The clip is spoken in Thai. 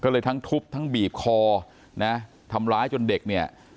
ก็เลยทั้งทุบทั้งบีบคอนะทำร้ายจนเด็กเนี่ย